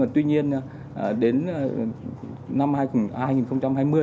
tuy nhiên đến năm hai nghìn hai mươi